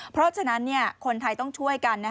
เพราะฉะนั้นคนไทยต้องช่วยกัน